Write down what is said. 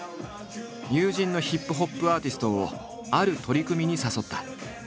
友人のヒップホップアーティストをある取り組みに誘った。